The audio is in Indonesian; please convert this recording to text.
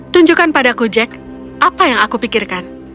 tunjukkan padaku jack apa yang aku pikirkan